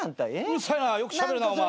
うるさいなよくしゃべるなお前。